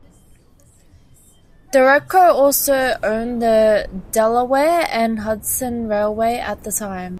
Dereco also owned the Delaware and Hudson Railway at the time.